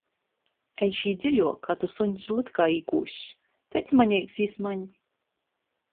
Ej šī dziļuok, a to suņs lytkā īkūss! Taids maneigs jis maņ.